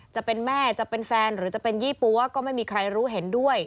จะเป็นแม่จะเป็นแฟนหรือจะเป็นยี่ปั๊วก็ไม่มีใครรู้เห็นด้วย